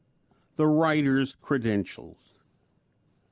THE WRITER'S CREDENTIALS.